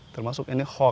termasuk ini hoax